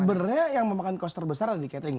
sebenarnya yang memakan cost terbesar adalah di catering